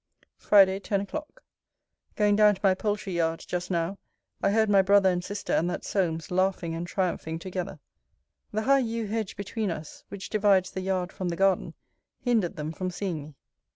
FRIDAY, TEN O'CLOCK Going down to my poultry yard, just now, I heard my brother and sister and that Solmes laughing and triumphing together. The high yew hedge between us, which divides the yard from the garden, hindered them from seeing me.